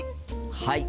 はい！